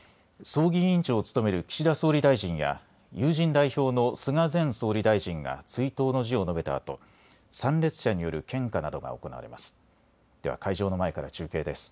葬儀委員長を務める岸田総理大臣や友人代表の菅前総理大臣が追悼の辞を述べたあと参列者による献花などが行われます。